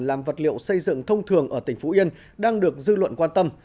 làm vật liệu xây dựng thông thường ở tỉnh phú yên đang được dư luận quan tâm